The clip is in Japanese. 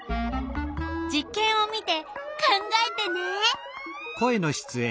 実けんを見て考えてね！